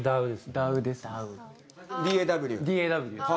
ＤＡＷです。